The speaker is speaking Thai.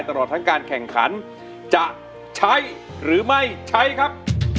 ตลอดทั้งการแข่งขันจะใช้หรือไม่ใช้ครับ